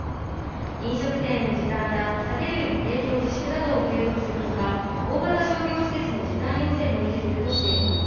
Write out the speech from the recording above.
飲食店への時短や酒類の提供自粛などを継続するほか、大型商業施設の時短要請も維持するとしています。